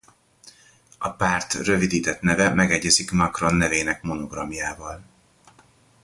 A párt rövidített neve megegyezik Macron nevének monogramjával.